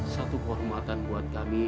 satu kehormatan buat kami